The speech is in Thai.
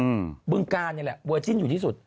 เมื่อการนึงแหละเวอร์จิลอยู่ที่สุด